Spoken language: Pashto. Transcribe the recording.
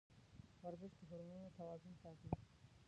ورزش د هورمونونو توازن ساتي.